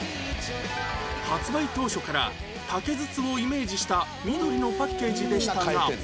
発売当初から竹筒をイメージした緑のパッケージでしたが